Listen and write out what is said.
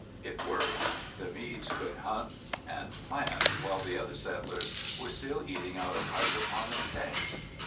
It worked. The Meads could hunt, and plant while the other settlers were still eating out of hydroponics tanks."